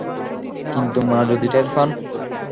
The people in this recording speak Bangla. কিন্তু মা যদি টের পান?